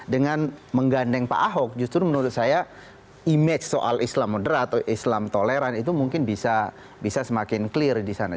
dengan menggandeng pak ahok justru menurut saya image soal islam moderat atau islam toleran itu mungkin bisa semakin clear di sana